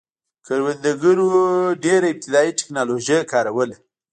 کروندګرو ډېره ابتدايي ټکنالوژي کاروله